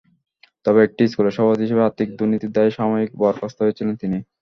তবে একটি স্কুলের সভাপতি হিসেবে আর্থিক দুর্নীতির দায়ে সাময়িক বরখাস্ত হয়েছিলেন তিনি।